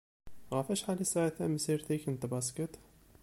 Ɣef acḥal i tesɛiḍ tamsirt-ik n tbaskit?